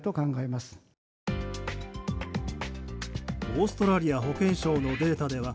オーストラリア保健省のデータでは